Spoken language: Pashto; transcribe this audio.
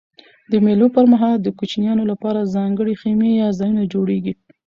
د مېلو پر مهال د کوچنيانو له پاره ځانګړي خیمې یا ځایونه جوړېږي.